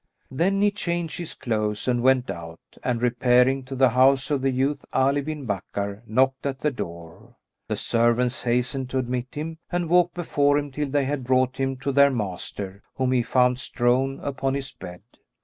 Then he changed his clothes and went out; and, repairing to the house of the youth Ali bin Bakkar, knocked at the door. The servants hastened to admit him and walked before him till they had brought him to their master, whom he found strown upon his bed.